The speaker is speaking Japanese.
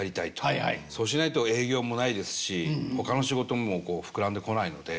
そうしないと営業もないですしほかの仕事も膨らんでこないので。